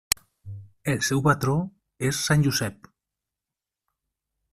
El seu patró és sant Josep.